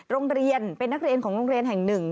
โรงเรียนเป็นนักเรียนของโรงเรียนแห่งหนึ่ง